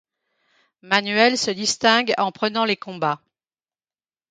Manuel se distingue en prenant les combats.